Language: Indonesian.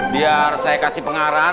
biar saya kasih pengarahan